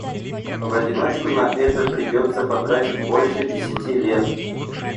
В одиночку на это придётся потратить больше десяти лет.